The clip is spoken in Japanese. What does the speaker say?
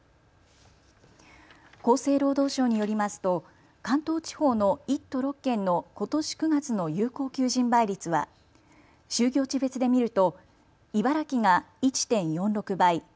厚生労働省によりますと関東地方の１都６県のことし９月の有効求人倍率は就業地別で見ると。